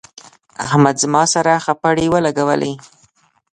احمد زما سره خپړې ولګولې.